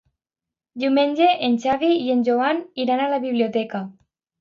Diumenge en Xavi i en Joan iran a la biblioteca.